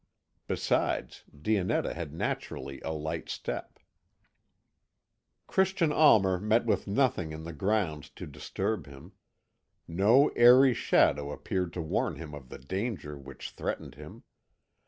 Besides, Dionetta had naturally a light step. Christian Almer met with nothing in the grounds to disturb him. No airy shadow appeared to warn him of the danger which threatened him.